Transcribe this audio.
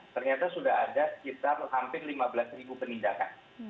ternyata sudah ada sekitar hampir lima belas ribu penindakan